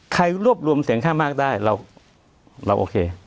ใครรวบรวมเสียงข้างมากได้เราโอเค